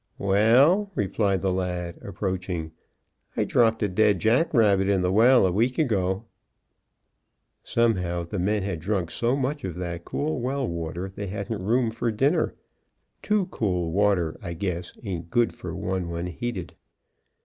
"Well," replied the lad, approaching, "I dropped a dead jackrabbit in the well a week ago." Somehow the men had drunk so much of that cool well water they hadn't room for dinner; too cool water I guess aint' good for one when heated.